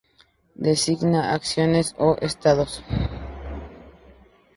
Designan acciones o estados.